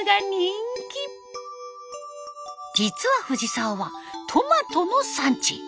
実は藤沢はトマトの産地。